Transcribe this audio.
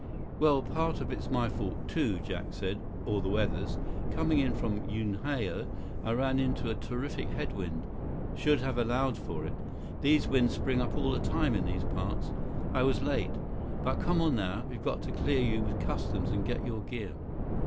"Well, part of it's my fault, too," Jack said. "Or the weather's. Coming in from Unhao, I ran into a terrific headwind. Should have allowed for it. These winds spring up all the time in these parts. I was late. But come on now, we've got to clear you with customs and get your gear."